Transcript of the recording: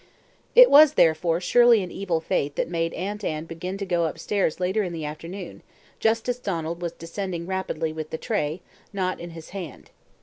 It was, therefore, surely an evil fate that made Aunt Anne begin to go upstairs later in the afternoon, just as Donald was descending rapidly with the tray not in his hand.